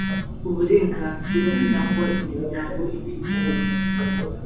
uburenganzira cyangwa imiryango ifite